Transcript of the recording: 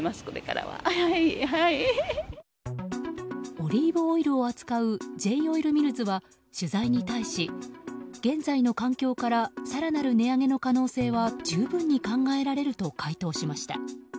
オリーブオイルを扱うＪ−オイルミルズは取材に対し、現在の環境から更なる値上げの可能性は十分に考えられると回答しました。